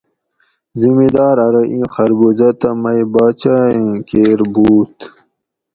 زمیدار ارو ایں خربوزاۤ تہ مئ باچہ ایں کیر بووت